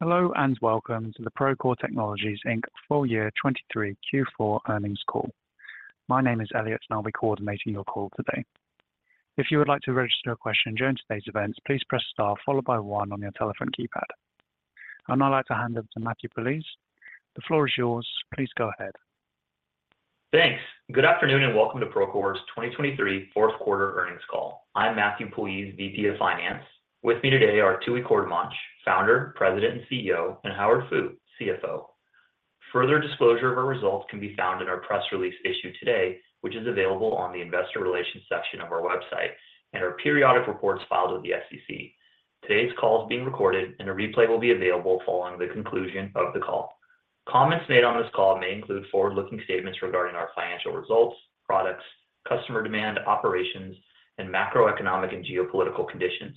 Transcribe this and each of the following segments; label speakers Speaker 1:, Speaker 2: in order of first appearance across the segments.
Speaker 1: Hello, and welcome to the Procore Technologies, Inc Full Year 2023 Q4 earnings call. My name is Elliot, and I'll be coordinating your call today. If you would like to register a question during today's event, please press star followed by one on your telephone keypad. I'd now like to hand over to Matthew Puljiz. The floor is yours. Please go ahead.
Speaker 2: Thanks. Good afternoon, and welcome to Procore's 2023 fourth quarter earnings call. I'm Matthew Puljiz, VP of Finance. With me today are Tooey Courtemanche, Founder, President, and CEO, and Howard Fu, CFO. Further disclosure of our results can be found in our press release issued today, which is available on the investor relations section of our website and our periodic reports filed with the SEC. Today's call is being recorded, and a replay will be available following the conclusion of the call. Comments made on this call may include forward-looking statements regarding our financial results, products, customer demand, operations, and macroeconomic and geopolitical conditions.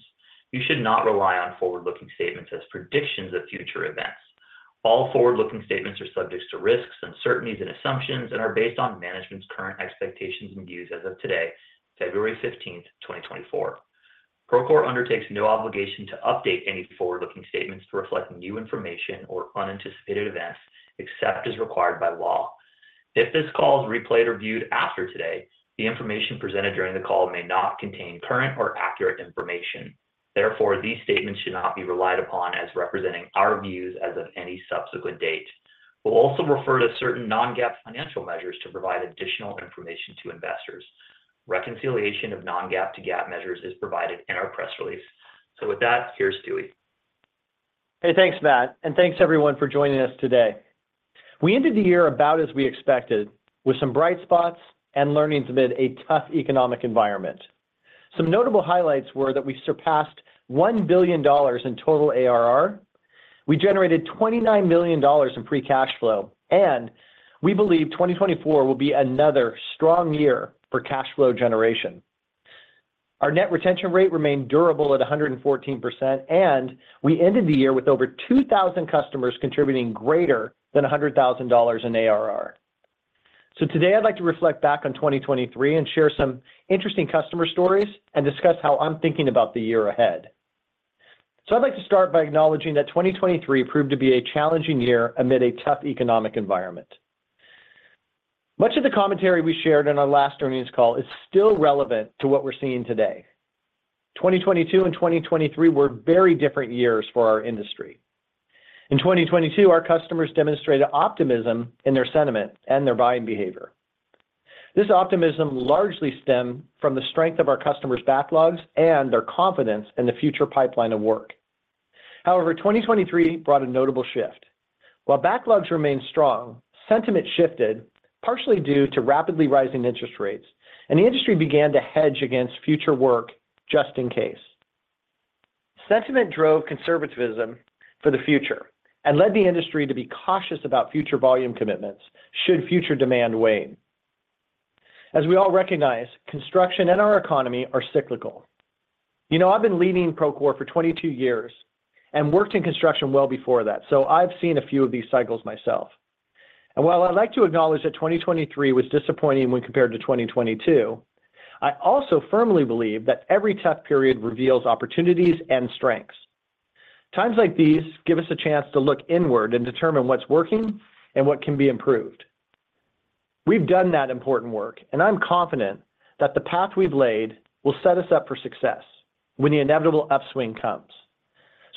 Speaker 2: You should not rely on forward-looking statements as predictions of future events. All forward-looking statements are subject to risks, uncertainties, and assumptions and are based on management's current expectations and views as of today, February 15, 2024. Procore undertakes no obligation to update any forward-looking statements to reflect new information or unanticipated events, except as required by law. If this call is replayed or viewed after today, the information presented during the call may not contain current or accurate information. Therefore, these statements should not be relied upon as representing our views as of any subsequent date. We'll also refer to certain non-GAAP financial measures to provide additional information to investors. Reconciliation of non-GAAP to GAAP measures is provided in our press release. With that, here's Tooey.
Speaker 3: Hey, thanks, Matt, and thanks everyone for joining us today. We ended the year about as we expected, with some bright spots and learnings amid a tough economic environment. Some notable highlights were that we surpassed $1 billion in total ARR, we generated $29 million in free cash flow, and we believe 2024 will be another strong year for cash flow generation. Our net retention rate remained durable at 114%, and we ended the year with over 2,000 customers contributing greater than $100,000 in ARR. So today I'd like to reflect back on 2023 and share some interesting customer stories and discuss how I'm thinking about the year ahead. So I'd like to start by acknowledging that 2023 proved to be a challenging year amid a tough economic environment. Much of the commentary we shared in our last earnings call is still relevant to what we're seeing today. 2022 and 2023 were very different years for our industry. In 2022, our customers demonstrated optimism in their sentiment and their buying behavior. This optimism largely stemmed from the strength of our customers' backlogs and their confidence in the future pipeline of work. However, 2023 brought a notable shift. While backlogs remained strong, sentiment shifted partially due to rapidly rising interest rates, and the industry began to hedge against future work just in case. Sentiment drove conservatism for the future and led the industry to be cautious about future volume commitments should future demand wane. As we all recognize, construction and our economy are cyclical. You know, I've been leading Procore for 22 years and worked in construction well before that, so I've seen a few of these cycles myself. While I'd like to acknowledge that 2023 was disappointing when compared to 2022, I also firmly believe that every tough period reveals opportunities and strengths. Times like these give us a chance to look inward and determine what's working and what can be improved. We've done that important work, and I'm confident that the path we've laid will set us up for success when the inevitable upswing comes.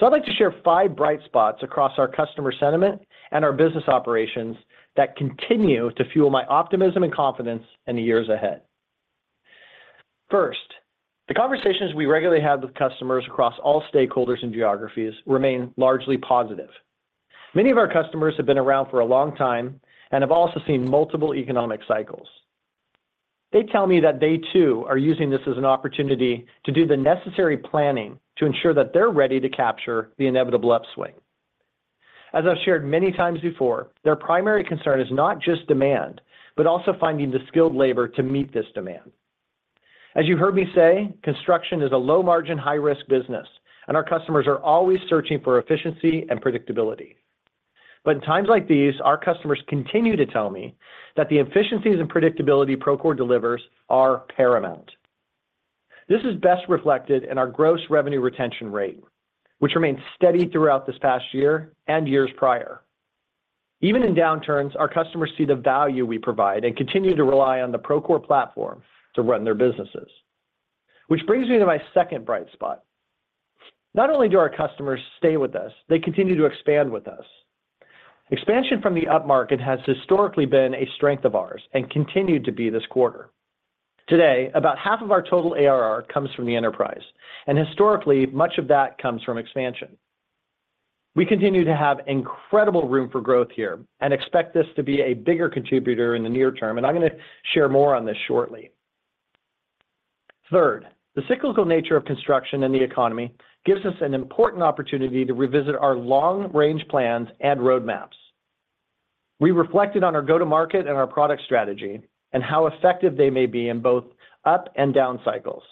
Speaker 3: I'd like to share five bright spots across our customer sentiment and our business operations that continue to fuel my optimism and confidence in the years ahead. First, the conversations we regularly have with customers across all stakeholders and geographies remain largely positive. Many of our customers have been around for a long time and have also seen multiple economic cycles. They tell me that they, too, are using this as an opportunity to do the necessary planning to ensure that they're ready to capture the inevitable upswing. As I've shared many times before, their primary concern is not just demand, but also finding the skilled labor to meet this demand. As you heard me say, construction is a low-margin, high-risk business, and our customers are always searching for efficiency and predictability. But in times like these, our customers continue to tell me that the efficiencies and predictability Procore delivers are paramount. This is best reflected in our gross revenue retention rate, which remained steady throughout this past year and years prior. Even in downturns, our customers see the value we provide and continue to rely on the Procore platform to run their businesses. Which brings me to my second bright spot. Not only do our customers stay with us, they continue to expand with us. Expansion from the upmarket has historically been a strength of ours and continued to be this quarter. Today, about half of our total ARR comes from the enterprise, and historically, much of that comes from expansion. We continue to have incredible room for growth here and expect this to be a bigger contributor in the near term, and I'm going to share more on this shortly. Third, the cyclical nature of construction and the economy gives us an important opportunity to revisit our long-range plans and roadmaps. We reflected on our go-to-market and our product strategy and how effective they may be in both up and down cycles.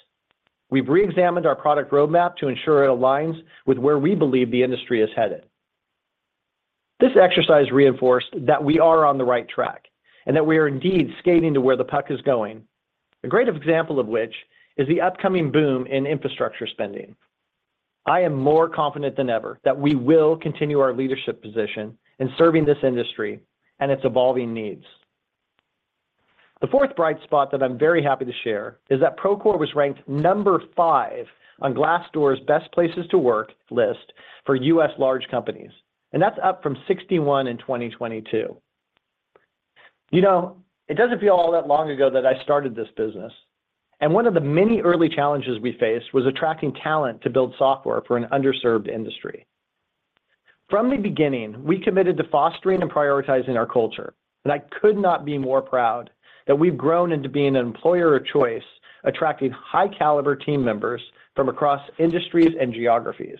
Speaker 3: We've reexamined our product roadmap to ensure it aligns with where we believe the industry is headed... This exercise reinforced that we are on the right track and that we are indeed skating to where the puck is going. A great example of which is the upcoming boom in infrastructure spending. I am more confident than ever that we will continue our leadership position in serving this industry and its evolving needs. The fourth bright spot that I'm very happy to share is that Procore was ranked number five on Glassdoor's Best Places to Work list for U.S. large companies, and that's up from 61 in 2022. You know, it doesn't feel all that long ago that I started this business, and one of the many early challenges we faced was attracting talent to build software for an underserved industry. From the beginning, we committed to fostering and prioritizing our culture, and I could not be more proud that we've grown into being an employer of choice, attracting high-caliber team members from across industries and geographies.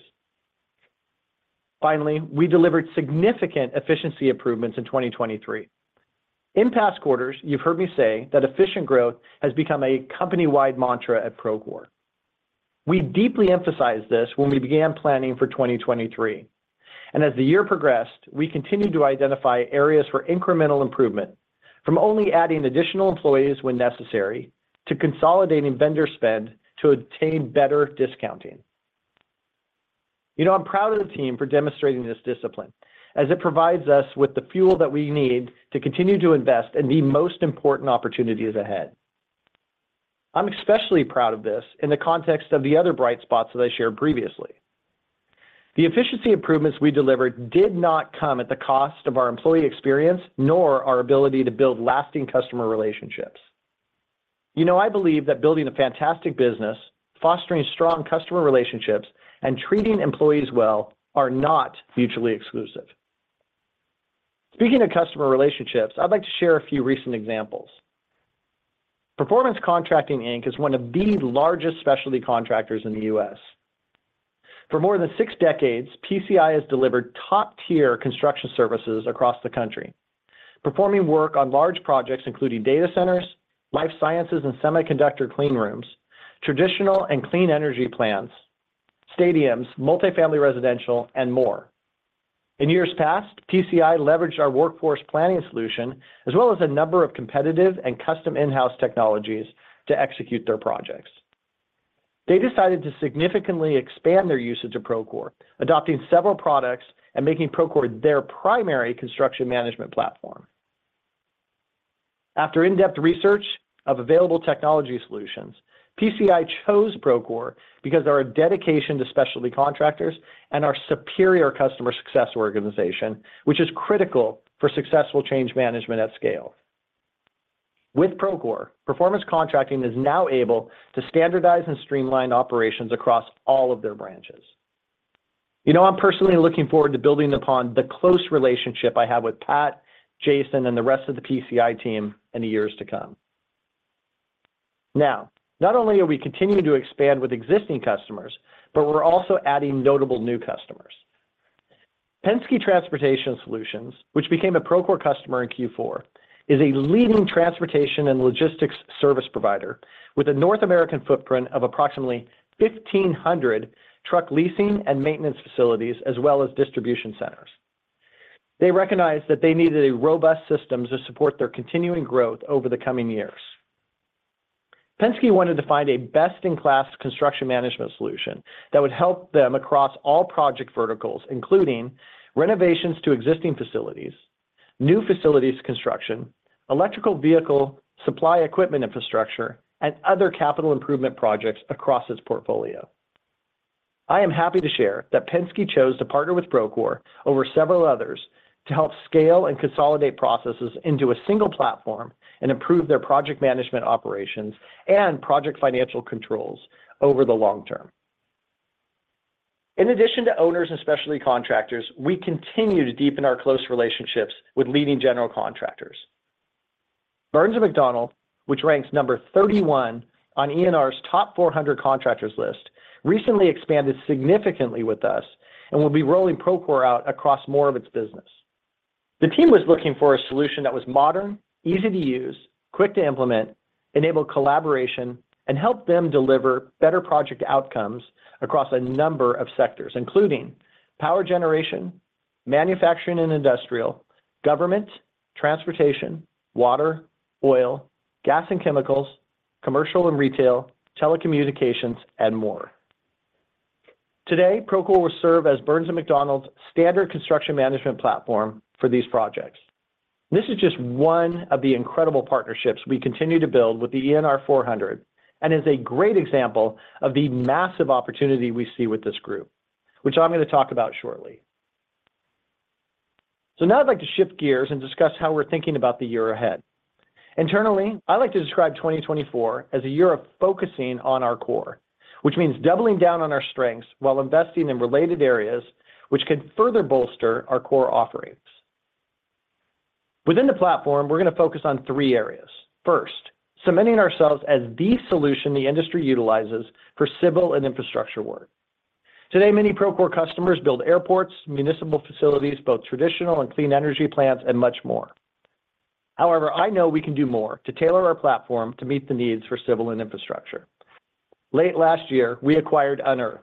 Speaker 3: Finally, we delivered significant efficiency improvements in 2023. In past quarters, you've heard me say that efficient growth has become a company-wide mantra at Procore. We deeply emphasized this when we began planning for 2023, and as the year progressed, we continued to identify areas for incremental improvement, from only adding additional employees when necessary to consolidating vendor spend to obtain better discounting. You know, I'm proud of the team for demonstrating this discipline as it provides us with the fuel that we need to continue to invest in the most important opportunities ahead. I'm especially proud of this in the context of the other bright spots that I shared previously. The efficiency improvements we delivered did not come at the cost of our employee experience, nor our ability to build lasting customer relationships. You know, I believe that building a fantastic business, fostering strong customer relationships, and treating employees well are not mutually exclusive. Speaking of customer relationships, I'd like to share a few recent examples. Performance Contracting, Inc is one of the largest specialty contractors in the U.S. For more than six decades, PCI has delivered top-tier construction services across the country, performing work on large projects, including data centers, life sciences and semiconductor clean rooms, traditional and clean energy plants, stadiums, multifamily residential, and more. In years past, PCI leveraged our workforce planning solution, as well as a number of competitive and custom in-house technologies to execute their projects. They decided to significantly expand their usage of Procore, adopting several products and making Procore their primary construction management platform. After in-depth research of available technology solutions, PCI chose Procore because of our dedication to specialty contractors and our superior customer success organization, which is critical for successful change management at scale. With Procore, Performance Contracting is now able to standardize and streamline operations across all of their branches. You know, I'm personally looking forward to building upon the close relationship I have with Pat, Jason, and the rest of the PCI team in the years to come. Now, not only are we continuing to expand with existing customers, but we're also adding notable new customers. Penske Transportation Solutions, which became a Procore customer in Q4, is a leading transportation and logistics service provider with a North American footprint of approximately 1,500 truck leasing and maintenance facilities, as well as distribution centers. They recognized that they needed a robust system to support their continuing growth over the coming years. Penske wanted to find a best-in-class construction management solution that would help them across all project verticals, including renovations to existing facilities, new facilities construction, electrical vehicle, supply equipment infrastructure, and other capital improvement projects across its portfolio. I am happy to share that Penske chose to partner with Procore over several others to help scale and consolidate processes into a single platform and improve their project management operations and project financial controls over the long term. In addition to owners and specialty contractors, we continue to deepen our close relationships with leading general contractors. Burns & McDonnell, which ranks 31 on ENR's top 400 contractors list, recently expanded significantly with us and will be rolling Procore out across more of its business. The team was looking for a solution that was modern, easy to use, quick to implement, enable collaboration, and help them deliver better project outcomes across a number of sectors, including power generation, manufacturing and industrial, government, transportation, water, oil, gas and chemicals, commercial and retail, telecommunications, and more. Today, Procore will serve as Burns & McDonnell's standard construction management platform for these projects. This is just one of the incredible partnerships we continue to build with the ENR 400 and is a great example of the massive opportunity we see with this group, which I'm going to talk about shortly. Now I'd like to shift gears and discuss how we're thinking about the year ahead. Internally, I like to describe 2024 as a year of focusing on our core, which means doubling down on our strengths while investing in related areas, which could further bolster our core offerings. Within the platform, we're going to focus on three areas. First, cementing ourselves as the solution the industry utilizes for civil and infrastructure work. Today, many Procore customers build airports, municipal facilities, both traditional and clean energy plants, and much more. However, I know we can do more to tailor our platform to meet the needs for civil and infrastructure. Late last year, we acquired Unearth,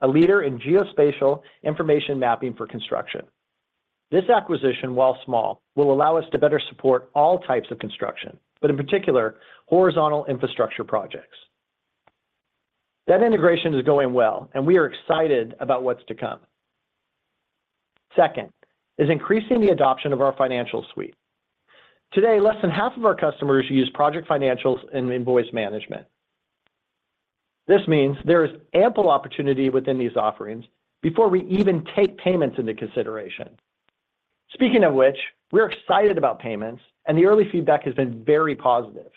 Speaker 3: a leader in geospatial information mapping for construction. This acquisition, while small, will allow us to better support all types of construction, but in particular, horizontal infrastructure projects. That integration is going well, and we are excited about what's to come. Second is increasing the adoption of our financial suite. Today, less than half of our customers use project financials and invoice management. This means there is ample opportunity within these offerings before we even take payments into consideration. Speaking of which, we're excited about payments, and the early feedback has been very positive.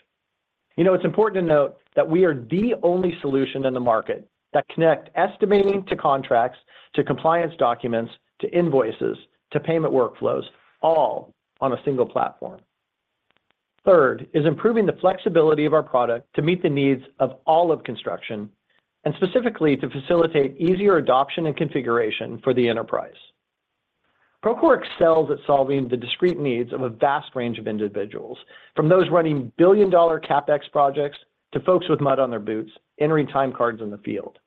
Speaker 3: You know, it's important to note that we are the only solution in the market that connect estimating to contracts, to compliance documents, to invoices, to payment workflows, all on a single platform. Third is improving the flexibility of our product to meet the needs of all of construction, and specifically to facilitate easier adoption and configuration for the enterprise. Procore excels at solving the discrete needs of a vast range of individuals, from those running billion-dollar CapEx projects to folks with mud on their boots entering time cards in the field.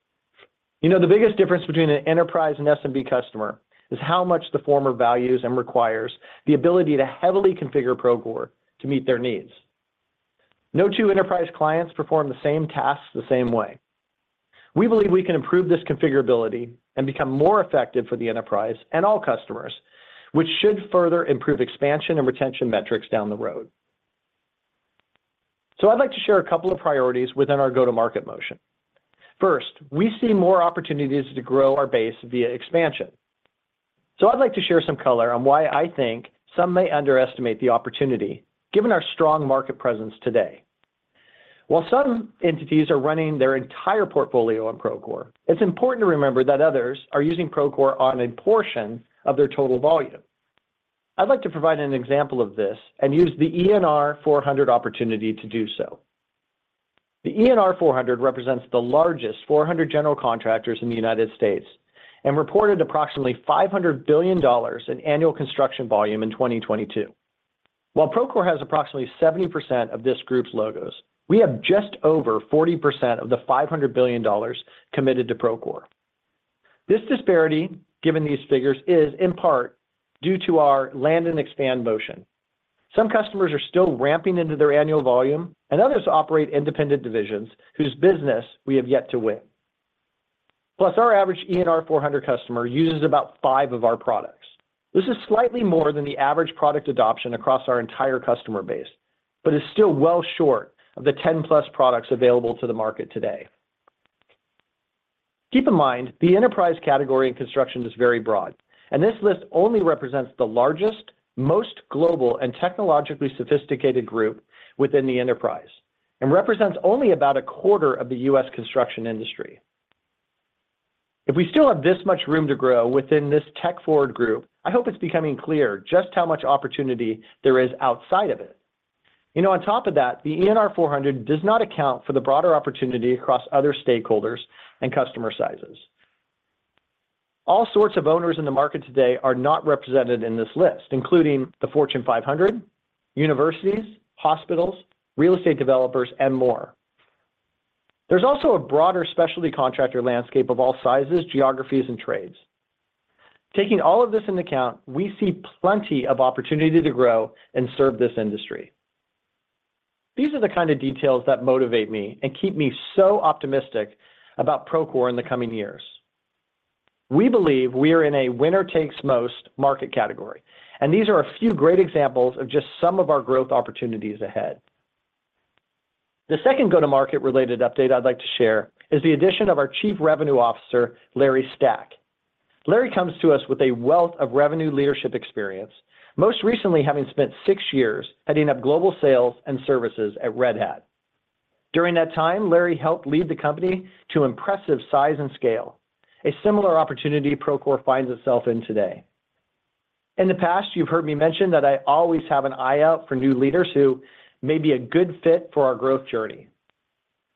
Speaker 3: You know, the biggest difference between an enterprise and SMB customer is how much the former values and requires the ability to heavily configure Procore to meet their needs. No two enterprise clients perform the same tasks the same way. We believe we can improve this configurability and become more effective for the enterprise and all customers, which should further improve expansion and retention metrics down the road. So I'd like to share a couple of priorities within our go-to-market motion. First, we see more opportunities to grow our base via expansion. So I'd like to share some color on why I think some may underestimate the opportunity, given our strong market presence today. While some entities are running their entire portfolio on Procore, it's important to remember that others are using Procore on a portion of their total volume. I'd like to provide an example of this and use the ENR 400 opportunity to do so. The ENR 400 represents the largest 400 general contractors in the United States and reported approximately $500 billion in annual construction volume in 2022. While Procore has approximately 70% of this group's logos, we have just over 40% of the $500 billion committed to Procore. This disparity, given these figures, is in part due to our land-and-expand motion. Some customers are still ramping into their annual volume, and others operate independent divisions whose business we have yet to win. Plus, our average ENR 400 customer uses about five of our products. This is slightly more than the average product adoption across our entire customer base, but is still well short of the 10+ products available to the market today. Keep in mind, the enterprise category in construction is very broad, and this list only represents the largest, most global, and technologically sophisticated group within the enterprise and represents only about a quarter of the US construction industry. If we still have this much room to grow within this tech-forward group, I hope it's becoming clear just how much opportunity there is outside of it. You know, on top of that, the ENR 400 does not account for the broader opportunity across other stakeholders and customer sizes. All sorts of owners in the market today are not represented in this list, including the Fortune 500, universities, hospitals, real estate developers, and more. There's also a broader specialty contractor landscape of all sizes, geographies, and trades. Taking all of this into account, we see plenty of opportunity to grow and serve this industry. These are the kind of details that motivate me and keep me so optimistic about Procore in the coming years. We believe we are in a winner-takes-most market category, and these are a few great examples of just some of our growth opportunities ahead. The second go-to-market related update I'd like to share is the addition of our Chief Revenue Officer, Larry Stack. Larry comes to us with a wealth of revenue leadership experience, most recently having spent six years heading up global sales and services at Red Hat. During that time, Larry helped lead the company to impressive size and scale, a similar opportunity Procore finds itself in today. In the past, you've heard me mention that I always have an eye out for new leaders who may be a good fit for our growth journey.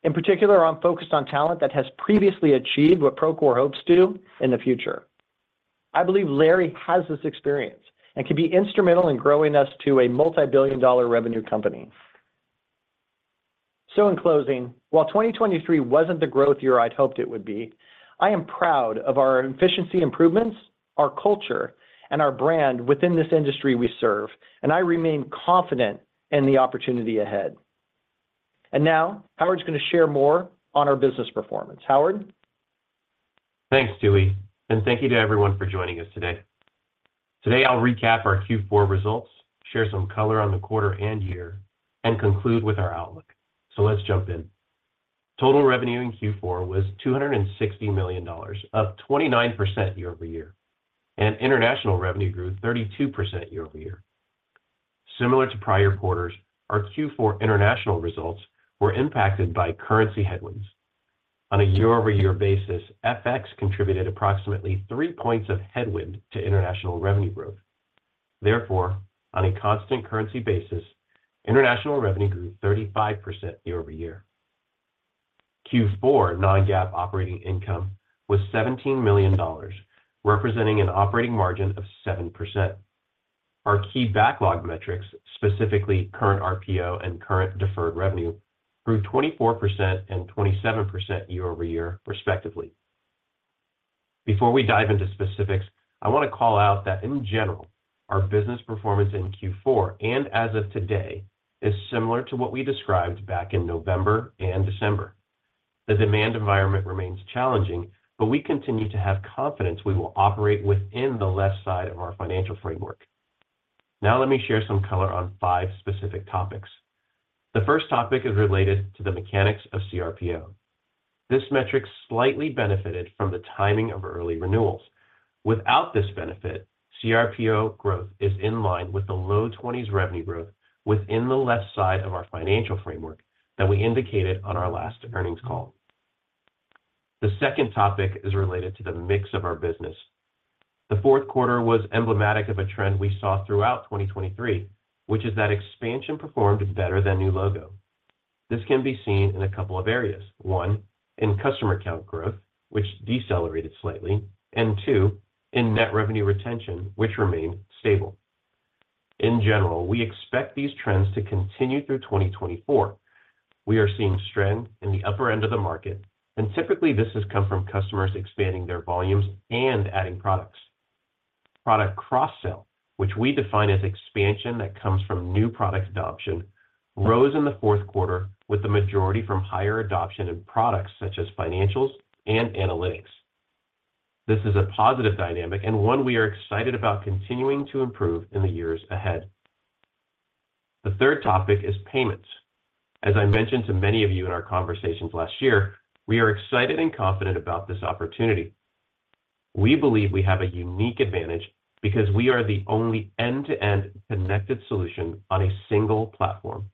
Speaker 3: In particular, I'm focused on talent that has previously achieved what Procore hopes to in the future. I believe Larry has this experience and can be instrumental in growing us to a multi-billion dollar revenue company. So in closing, while 2023 wasn't the growth year I'd hoped it would be, I am proud of our efficiency improvements, our culture, and our brand within this industry we serve, and I remain confident in the opportunity ahead. And now, Howard's going to share more on our business performance. Howard?
Speaker 4: Thanks, Tooey, and thank you to everyone for joining us today. Today, I'll recap our Q4 results, share some color on the quarter and year, and conclude with our outlook. So let's jump in. Total revenue in Q4 was $260 million, up 29% year over year, and international revenue grew 32% year over year. Similar to prior quarters, our Q4 international results were impacted by currency headwinds. On a year-over-year basis, FX contributed approximately three points of headwind to international revenue growth. Therefore, on a constant currency basis, international revenue grew 35% year over year.... Q4 non-GAAP operating income was $17 million, representing an operating margin of 7%. Our key backlog metrics, specifically current RPO and current deferred revenue, grew 24% and 27% year over year, respectively. Before we dive into specifics, I want to call out that in general, our business performance in Q4, and as of today, is similar to what we described back in November and December. The demand environment remains challenging, but we continue to have confidence we will operate within the left side of our financial framework. Now let me share some color on five specific topics. The first topic is related to the mechanics of CRPO. This metric slightly benefited from the timing of early renewals. Without this benefit, CRPO growth is in line with the low 20s revenue growth within the left side of our financial framework that we indicated on our last earnings call. The second topic is related to the mix of our business. The fourth quarter was emblematic of a trend we saw throughout 2023, which is that expansion performed better than new logo. This can be seen in a couple of areas. One, in customer count growth, which decelerated slightly, and two, in net revenue retention, which remained stable. In general, we expect these trends to continue through 2024. We are seeing strength in the upper end of the market, and typically this has come from customers expanding their volumes and adding products. Product cross-sell, which we define as expansion that comes from new product adoption, rose in the fourth quarter with the majority from higher adoption in products such as financials and analytics. This is a positive dynamic and one we are excited about continuing to improve in the years ahead. The third topic is payments. As I mentioned to many of you in our conversations last year, we are excited and confident about this opportunity. We believe we have a unique advantage because we are the only end-to-end connected solution on a single platform.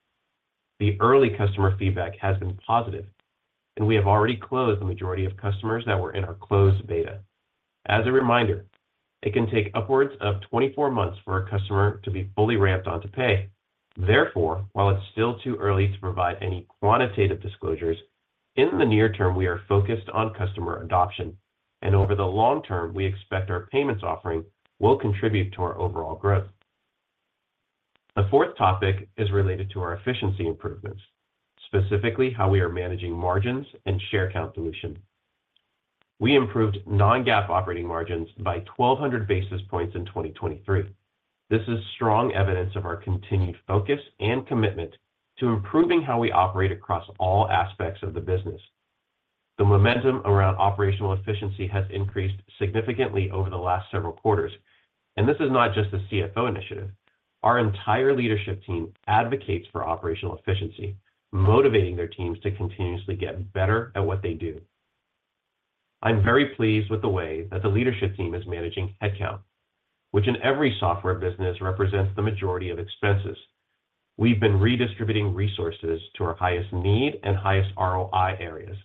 Speaker 4: The early customer feedback has been positive, and we have already closed the majority of customers that were in our closed beta. As a reminder, it can take upwards of 24 months for a customer to be fully ramped onto pay. Therefore, while it's still too early to provide any quantitative disclosures, in the near term, we are focused on customer adoption, and over the long term, we expect our payments offering will contribute to our overall growth. The fourth topic is related to our efficiency improvements, specifically how we are managing margins and share count dilution. We improved non-GAAP operating margins by 1,200 basis points in 2023. This is strong evidence of our continued focus and commitment to improving how we operate across all aspects of the business. The momentum around operational efficiency has increased significantly over the last several quarters, and this is not just a CFO initiative. Our entire leadership team advocates for operational efficiency, motivating their teams to continuously get better at what they do. I'm very pleased with the way that the leadership team is managing headcount, which in every software business, represents the majority of expenses. We've been redistributing resources to our highest need and highest ROI areas.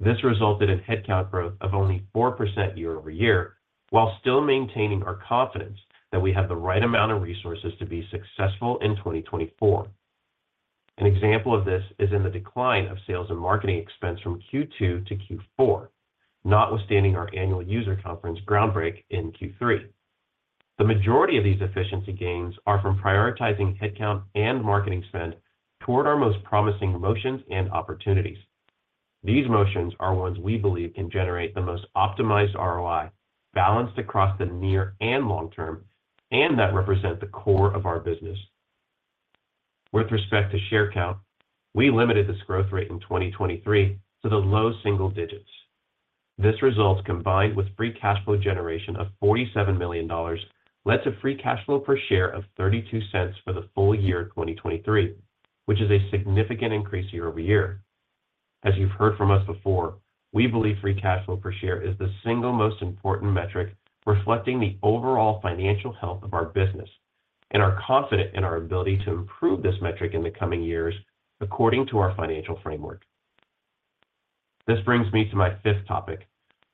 Speaker 4: This resulted in headcount growth of only 4% year-over-year, while still maintaining our confidence that we have the right amount of resources to be successful in 2024. An example of this is in the decline of sales and marketing expense from Q2 to Q4, notwithstanding our annual user conference groundbreaking in Q3. The majority of these efficiency gains are from prioritizing headcount and marketing spend toward our most promising motions and opportunities. These motions are ones we believe can generate the most optimized ROI, balanced across the near and long term, and that represent the core of our business. With respect to share count, we limited this growth rate in 2023 to the low single digits. This result, combined with free cash flow generation of $47 million, led to free cash flow per share of $0.32 for the full year 2023, which is a significant increase year-over-year. As you've heard from us before, we believe free cash flow per share is the single most important metric reflecting the overall financial health of our business, and are confident in our ability to improve this metric in the coming years according to our financial framework. This brings me to my 5th topic,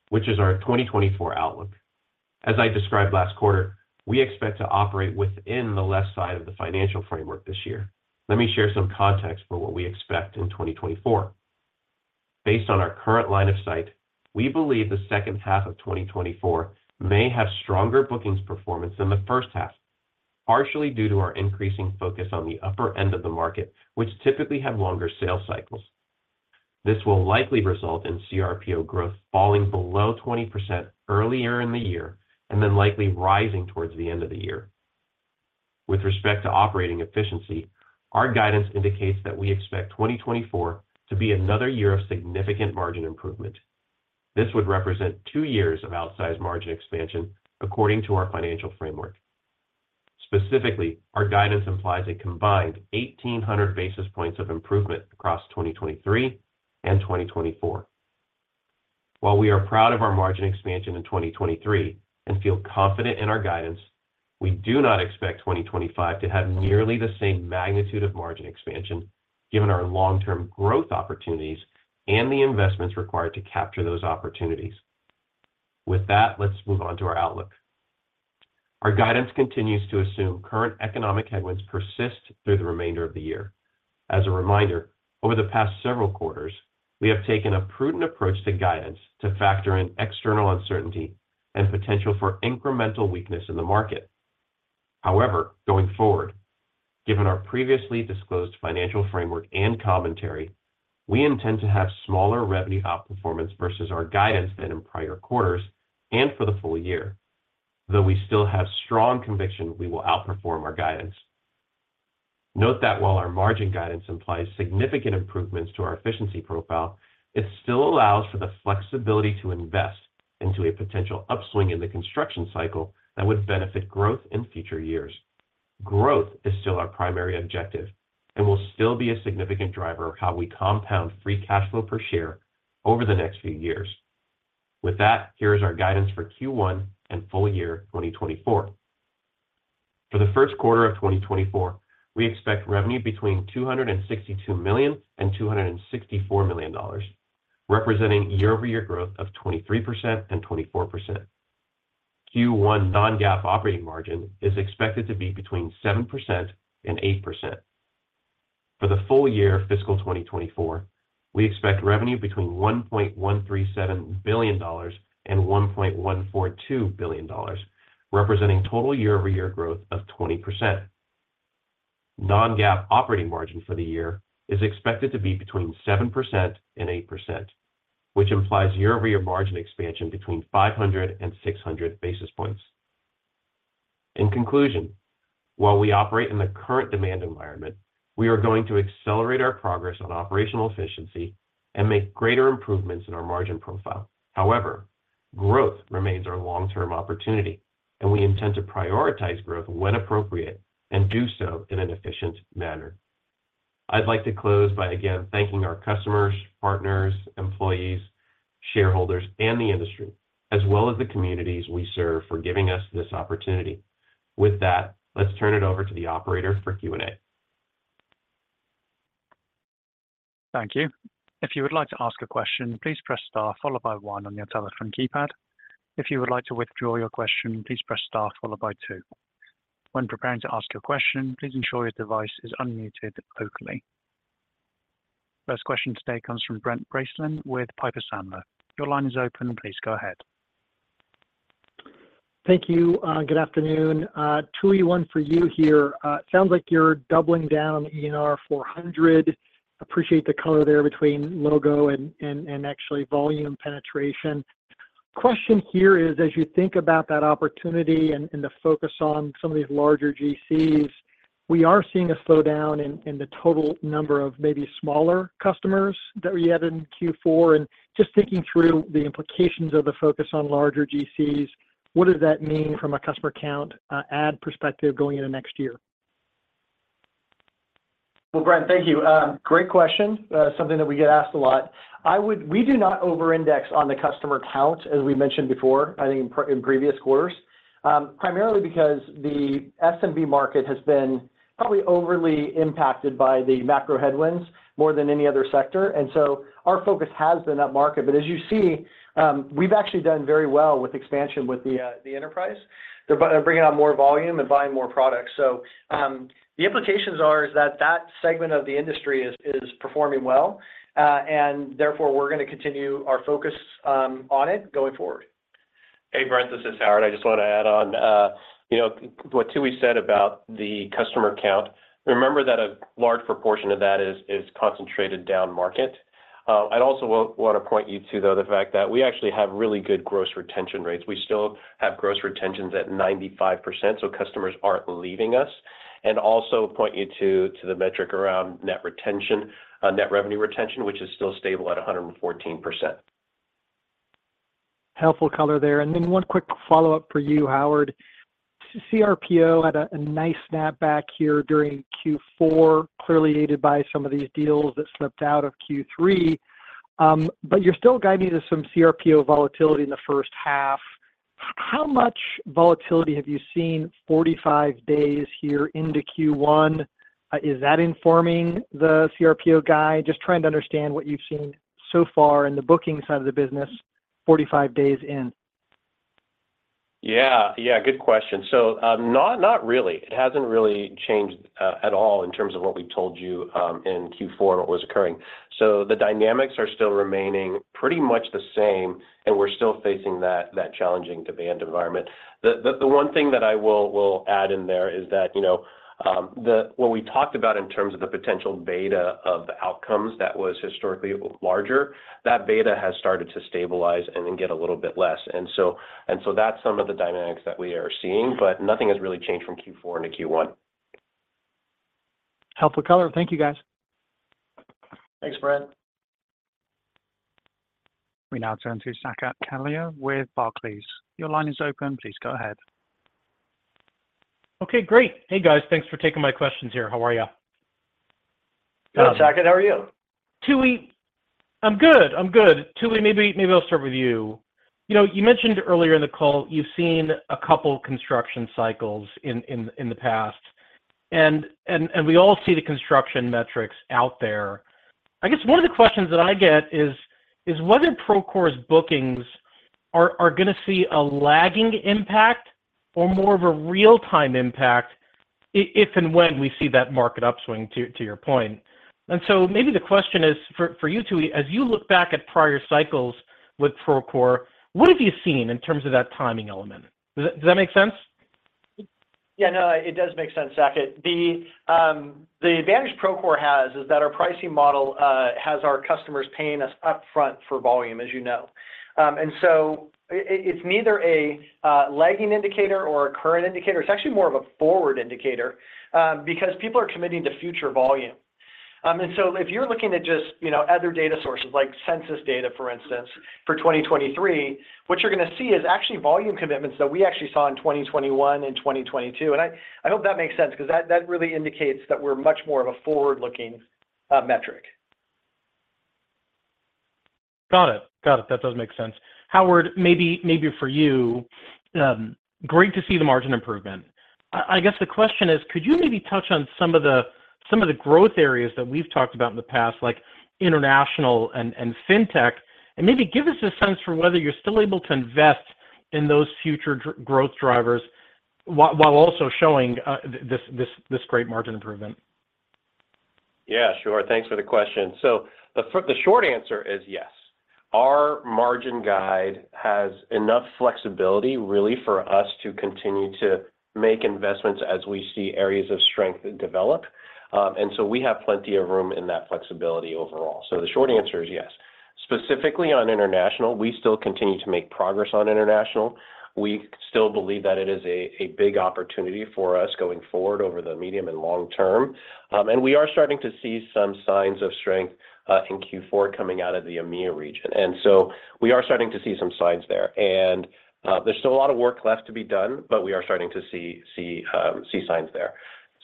Speaker 4: which is our 2024 outlook. As I described last quarter, we expect to operate within the left side of the financial framework this year. Let me share some context for what we expect in 2024. Based on our current line of sight, we believe the second half of 2024 may have stronger bookings performance than the first half, partially due to our increasing focus on the upper end of the market, which typically have longer sales cycles. This will likely result in CRPO growth falling below 20% earlier in the year, and then likely rising towards the end of the year. With respect to operating efficiency, our guidance indicates that we expect 2024 to be another year of significant margin improvement. This would represent 2 years of outsized margin expansion according to our financial framework. Specifically, our guidance implies a combined 1,800 basis points of improvement across 2023 and 2024. While we are proud of our margin expansion in 2023 and feel confident in our guidance, we do not expect 2025 to have nearly the same magnitude of margin expansion, given our long-term growth opportunities and the investments required to capture those opportunities. With that, let's move on to our outlook. Our guidance continues to assume current economic headwinds persist through the remainder of the year. As a reminder, over the past several quarters, we have taken a prudent approach to guidance to factor in external uncertainty and potential for incremental weakness in the market. However, going forward, given our previously disclosed financial framework and commentary, we intend to have smaller revenue outperformance versus our guidance than in prior quarters and for the full year, though we still have strong conviction we will outperform our guidance. Note that while our margin guidance implies significant improvements to our efficiency profile, it still allows for the flexibility to invest into a potential upswing in the construction cycle that would benefit growth in future years. Growth is still our primary objective and will still be a significant driver of how we compound free cash flow per share over the next few years. With that, here is our guidance for Q1 and full year 2024. For the first quarter of 2024, we expect revenue between $262 million and $264 million, representing year-over-year growth of 23%-24%. Q1 non-GAAP operating margin is expected to be between 7%-8%. For the full year fiscal 2024, we expect revenue between $1.137 billion and $1.142 billion, representing total year-over-year growth of 20%. Non-GAAP operating margin for the year is expected to be between 7%-8%, which implies year-over-year margin expansion between 500-600 basis points. In conclusion, while we operate in the current demand environment, we are going to accelerate our progress on operational efficiency and make greater improvements in our margin profile. However, growth remains our long-term opportunity, and we intend to prioritize growth when appropriate and do so in an efficient manner. I'd like to close by again thanking our customers, partners, employees, shareholders, and the industry, as well as the communities we serve, for giving us this opportunity. With that, let's turn it over to the operator for Q&A.
Speaker 1: Thank you. If you would like to ask a question, please press Star followed by one on your telephone keypad. If you would like to withdraw your question, please press Star followed by two. When preparing to ask your question, please ensure your device is unmuted locally. First question today comes from Brent Bracelin with Piper Sandler. Your line is open. Please go ahead.
Speaker 5: Thank you. Good afternoon. Tooey, one for you here. Sounds like you're doubling down on the ENR 400. Appreciate the color there between logo and actually volume penetration. Question here is, as you think about that opportunity and the focus on some of these larger GCs, we are seeing a slowdown in the total number of maybe smaller customers that we had in Q4. Just thinking through the implications of the focus on larger GCs, what does that mean from a customer count ad perspective going into next year?
Speaker 3: Well, Brent, thank you. Great question. Something that we get asked a lot. We do not overindex on the customer count, as we mentioned before, I think, in previous quarters, primarily because the SMB market has been probably overly impacted by the macro headwinds more than any other sector. And so our focus has been up market. But as you see, we've actually done very well with expansion with the enterprise. They're bringing on more volume and buying more products. So, the implications are, is that that segment of the industry is performing well, and therefore we're gonna continue our focus on it going forward.
Speaker 4: Hey, Brent, this is Howard. I just want to add on, you know, what Tooey said about the customer count. Remember that a large proportion of that is concentrated down market. I'd also want to point you to, though, the fact that we actually have really good gross retention rates. We still have gross retentions at 95%, so customers aren't leaving us. And also point you to the metric around net retention, net revenue retention, which is still stable at 114%.
Speaker 5: Helpful color there. Then one quick follow-up for you, Howard. CRPO had a nice snapback here during Q4, clearly aided by some of these deals that slipped out of Q3. But you're still guiding to some CRPO volatility in the first half. How much volatility have you seen 45 days here into Q1? Is that informing the CRPO guide? Just trying to understand what you've seen so far in the booking side of the business, 45 days in.
Speaker 4: Yeah, yeah, good question. So, not really. It hasn't really changed at all in terms of what we told you in Q4 and what was occurring. So the dynamics are still remaining pretty much the same, and we're still facing that challenging demand environment. The one thing that I will add in there is that, you know, when we talked about in terms of the potential beta of the outcomes that was historically larger, that beta has started to stabilize and then get a little bit less. And so that's some of the dynamics that we are seeing, but nothing has really changed from Q4 into Q1.
Speaker 5: Helpful color. Thank you, guys.
Speaker 3: Thanks, Brent.
Speaker 1: We now turn to Saket Kalia with Barclays. Your line is open. Please go ahead.
Speaker 6: Okay, great. Hey, guys, thanks for taking my questions here. How are you?
Speaker 3: Good, Saket. How are you?
Speaker 6: Tooey, I'm good, I'm good. Tooey, maybe I'll start with you. You know, you mentioned earlier in the call, you've seen a couple construction cycles in the past, and we all see the construction metrics out there. I guess one of the questions that I get is whether Procore's bookings are gonna see a lagging impact or more of a real-time impact, if, and when we see that market upswing, to your point? And so maybe the question is for you, Tooey, as you look back at prior cycles with Procore, what have you seen in terms of that timing element? Does that make sense?
Speaker 3: Yeah, no, it does make sense, Saket. The advantage Procore has is that our pricing model has our customers paying us upfront for volume, as you know. And so it's neither a lagging indicator or a current indicator. It's actually more of a forward indicator because people are committing to future volume. And so if you're looking at just, you know, other data sources, like census data, for instance, for 2023, what you're gonna see is actually volume commitments that we actually saw in 2021 and 2022. And I hope that makes sense 'cause that really indicates that we're much more of a forward-looking metric.
Speaker 6: Got it. Got it. That does make sense. Howard, maybe, maybe for you, great to see the margin improvement. I guess the question is, could you maybe touch on some of the growth areas that we've talked about in the past, like international and fintech? And maybe give us a sense for whether you're still able to invest in those future growth drivers while also showing this great margin improvement.
Speaker 4: Yeah, sure. Thanks for the question. So the short answer is yes. Our margin guide has enough flexibility, really, for us to continue to make investments as we see areas of strength develop. And so we have plenty of room in that flexibility overall. So the short answer is yes. Specifically on international, we still continue to make progress on international. We still believe that it is a big opportunity for us going forward over the medium and long term. And we are starting to see some signs of strength in Q4 coming out of the EMEA region, and so we are starting to see some signs there. And there's still a lot of work left to be done, but we are starting to see signs there.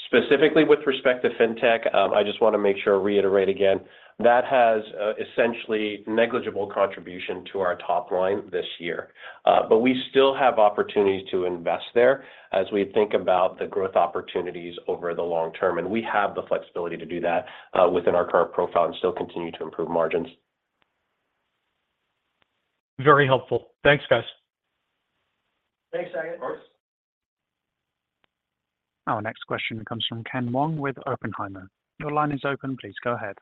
Speaker 4: Specifically, with respect to fintech, I just want to make sure to reiterate again, that has essentially negligible contribution to our top line this year. But we still have opportunities to invest there as we think about the growth opportunities over the long term, and we have the flexibility to do that within our current profile and still continue to improve margins.
Speaker 6: Very helpful. Thanks, guys.
Speaker 3: Thanks, Saket.
Speaker 4: Of course.
Speaker 1: Our next question comes from Ken Wong with Oppenheimer. Your line is open. Please go ahead.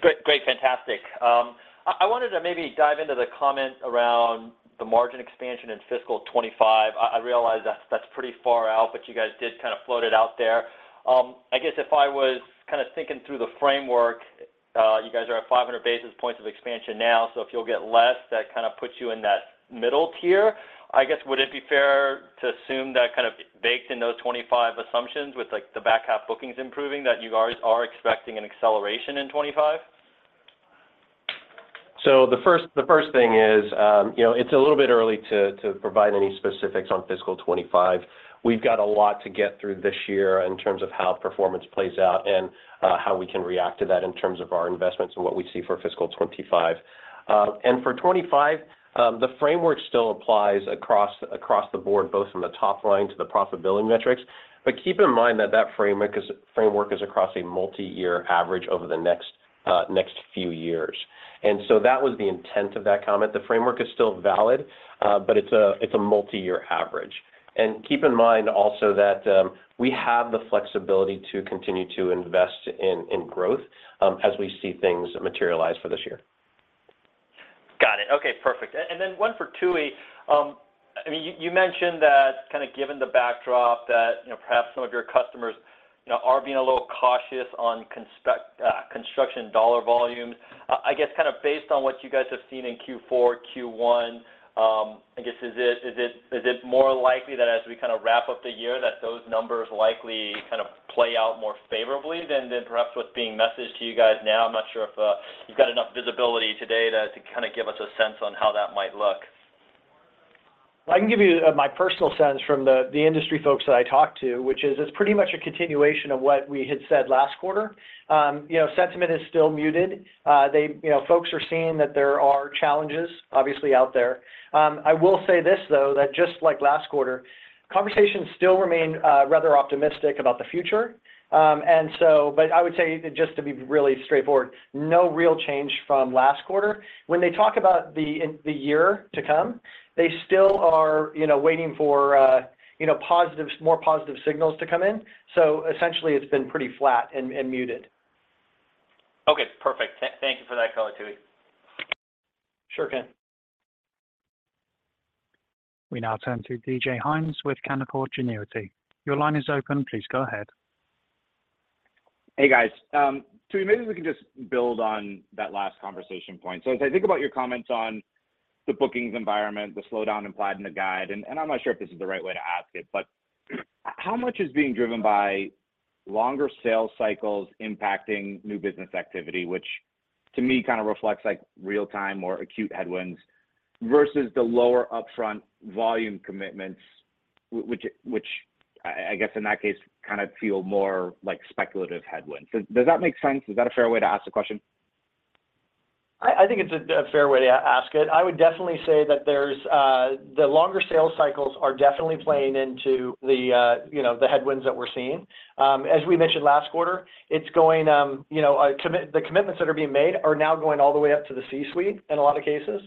Speaker 7: Great, great. Fantastic. I wanted to maybe dive into the comment around the margin expansion in fiscal 2025. I realize that's pretty far out, but you guys did kind of float it out there. I guess if I was kind of thinking through the framework, you guys are at 500 basis points of expansion now, so if you'll get less, that kind of puts you in that middle tier. I guess, would it be fair to assume that kind of baked in those 2025 assumptions with, like, the back half bookings improving, that you guys are expecting an acceleration in 2025?
Speaker 4: So the first, the first thing is, you know, it's a little bit early to, to provide any specifics on fiscal 25. We've got a lot to get through this year in terms of how performance plays out and, how we can react to that in terms of our investments and what we see for fiscal 25. And for 25, the framework still applies across, across the board, both from the top line to the profitability metrics. But keep in mind that that framework is- framework is across a multiyear average over the next, next few years. And so that was the intent of that comment. The framework is still valid, but it's a, it's a multiyear average. Keep in mind also that we have the flexibility to continue to invest in growth as we see things materialize for this year.
Speaker 7: Got it. Okay, perfect. And then one for Tooey. I mean, you, you mentioned that kind of given the backdrop that, you know, perhaps some of your customers, you know, are being a little cautious on construction dollar volumes, I guess kind of based on what you guys have seen in Q4, Q1, I guess, is it more likely that as we kind of wrap up the year, that those numbers likely kind of play out more favorably than, than perhaps what's being messaged to you guys now? I'm not sure if, you've got enough visibility today to, to kind of give us a sense on how that might look.
Speaker 3: I can give you my personal sense from the industry folks that I talked to, which is it's pretty much a continuation of what we had said last quarter. You know, sentiment is still muted. You know, folks are seeing that there are challenges obviously out there. I will say this, though, that just like last quarter, conversations still remain rather optimistic about the future. And so but I would say, just to be really straightforward, no real change from last quarter. When they talk about the year to come, they still are, you know, waiting for, you know, more positive signals to come in. So essentially, it's been pretty flat and muted.
Speaker 7: Okay, perfect. Thank you for that color, Tooey.
Speaker 3: Sure, Ken.
Speaker 1: We now turn to DJ Hynes with Canaccord Genuity. Your line is open. Please go ahead.
Speaker 8: Hey, guys. Tooey, maybe we can just build on that last conversation point. So as I think about your comments on the bookings environment, the slowdown implied in the guide, and I'm not sure if this is the right way to ask it, but how much is being driven by longer sales cycles impacting new business activity? Which to me, kind of reflects like real time or acute headwinds versus the lower upfront volume commitments, which I guess in that case, kind of feel more like speculative headwinds. Does that make sense? Is that a fair way to ask the question?...
Speaker 3: I think it's a fair way to ask it. I would definitely say that there's the longer sales cycles are definitely playing into you know, the headwinds that we're seeing. As we mentioned last quarter, it's going you know, the commitments that are being made are now going all the way up to the C-suite in a lot of cases,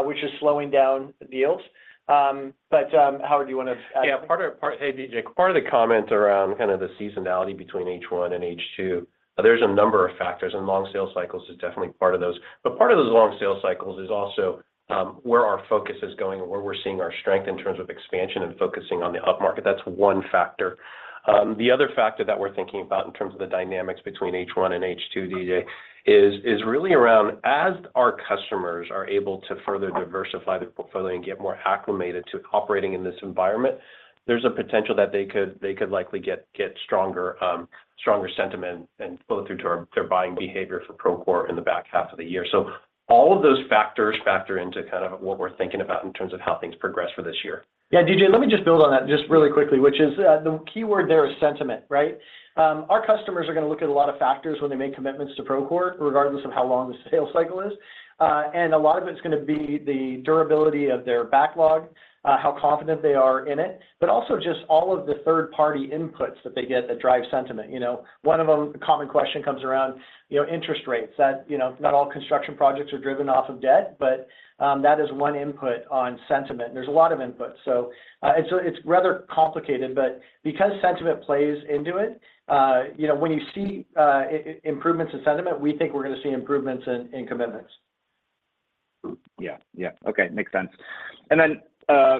Speaker 3: which is slowing down deals. But Howard, do you wanna add?
Speaker 4: Yeah, part of the comment around kind of the seasonality between H1 and H2, there's a number of factors, and long sales cycles is definitely part of those. But part of those long sales cycles is also where our focus is going and where we're seeing our strength in terms of expansion and focusing on the upmarket. That's one factor. The other factor that we're thinking about in terms of the dynamics between H1 and H2, DJ, is really around as our customers are able to further diversify their portfolio and get more acclimated to operating in this environment, there's a potential that they could likely get stronger sentiment and flow through to their buying behavior for Procore in the back half of the year. All of those factors factor into kind of what we're thinking about in terms of how things progress for this year.
Speaker 3: Yeah, DJ, let me just build on that just really quickly, which is, the keyword there is sentiment, right? Our customers are gonna look at a lot of factors when they make commitments to Procore, regardless of how long the sales cycle is. And a lot of it's gonna be the durability of their backlog, how confident they are in it, but also just all of the third-party inputs that they get that drive sentiment. You know, one of them, the common question comes around, you know, interest rates. That, you know, not all construction projects are driven off of debt, but, that is one input on sentiment, and there's a lot of inputs. So, it's rather complicated, but because sentiment plays into it, you know, when you see improvements in sentiment, we think we're gonna see improvements in commitments.
Speaker 8: Yeah. Yeah. Okay, makes sense. And then,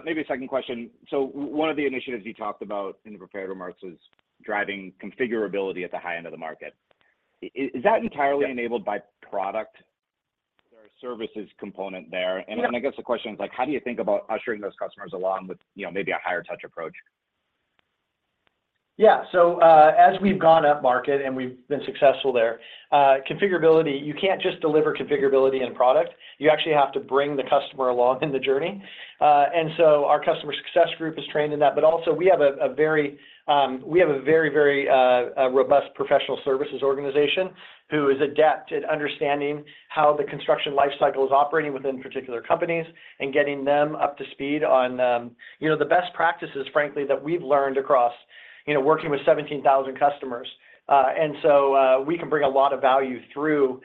Speaker 8: maybe a second question. So one of the initiatives you talked about in the prepared remarks was driving configurability at the high end of the market. Is that entirely-
Speaker 3: Yeah...
Speaker 8: enabled by product or services component there?
Speaker 3: Yeah.
Speaker 8: I guess the question is, like, how do you think about ushering those customers along with, you know, maybe a higher touch approach?
Speaker 3: Yeah. So, as we've gone upmarket and we've been successful there, configurability, you can't just deliver configurability in product. You actually have to bring the customer along in the journey. And so our customer success group is trained in that, but also we have a, a very, we have a very, very, robust professional services organization who is adept at understanding how the construction life cycle is operating within particular companies and getting them up to speed on, you know, the best practices, frankly, that we've learned across, you know, working with 17,000 customers. And so, we can bring a lot of value through,